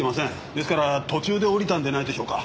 ですから途中で降りたんでないでしょうか？